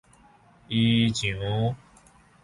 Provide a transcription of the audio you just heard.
衣裳